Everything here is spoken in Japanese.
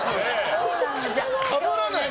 そうなの。